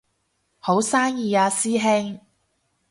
好生意啊師兄